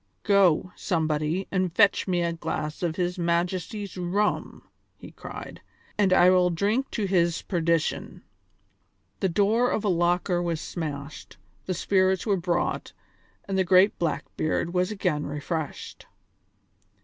"Go, somebody, and fetch me a glass of his Majesty's rum," he cried, "and I will drink to his perdition!" The door of a locker was smashed, the spirits were brought, and the great Blackbeard was again refreshed.